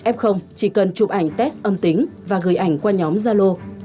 f chỉ cần chụp ảnh test âm tính và gửi ảnh qua nhóm gia lô